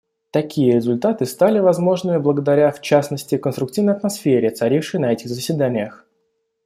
Такие результаты стали возможными благодаря, в частности, конструктивной атмосфере, царившей на этих заседаниях.